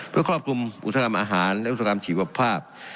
เพื่อความคุมผู้จำอาธิบายหาดและอุตสาหกรรมศิษยาภาพ